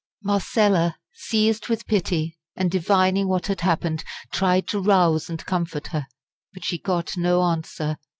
Marcella, seized with pity, and divining what had happened, tried to rouse and comfort her. But she got no answer.